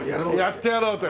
やってやろうと。